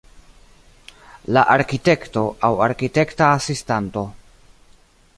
La arkitekto, aŭ arkitekta asistanto.